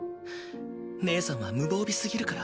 義姉さんは無防備すぎるから。